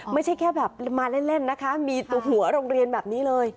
ไม่ใช่แค่แบบมาเล่นนะคะมีหัวโรงเรียนแบบนี้เลย